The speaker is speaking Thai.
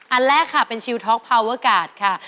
อันแรกค่ะเป็นชิลท็อกพาวเวอร์กาดค่ะ